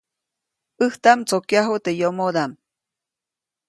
ʼÄjtaʼm ndsokyajuʼt teʼ yomodaʼm.